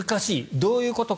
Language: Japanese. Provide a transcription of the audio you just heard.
どういうことか。